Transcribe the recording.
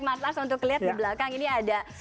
matlas untuk liat di belakang ini ada